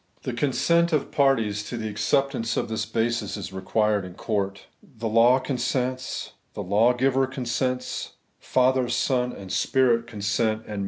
The consent of parties to the acceptance of this basis is required in court. The law consents ; the Lawgiver consents ; Father, Son, and Spirit consent; and wia?